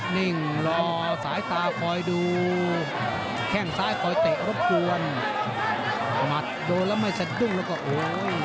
นิ่งรอสายตาคอยดูแข้งซ้ายคอยเตะรบกวนหมัดโดนแล้วไม่สะดุ้งแล้วก็โอ้โห